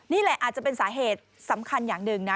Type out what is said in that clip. นี่แหละอาจจะเป็นสาเหตุสำคัญอย่างหนึ่งนะ